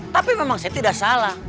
tapi memang saya tidak salah